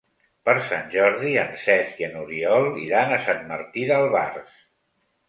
Per Sant Jordi en Cesc i n'Oriol iran a Sant Martí d'Albars.